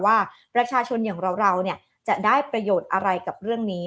ว่าประชาชนอย่างเราจะได้ประโยชน์อะไรกับเรื่องนี้